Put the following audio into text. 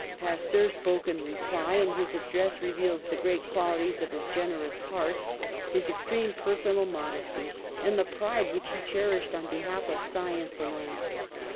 '^ Pasteur spoke in reply, and his address re veals the great qualities of his generous heart, his extreme personal modesty, and the pride which he cherished on behalf of science alone.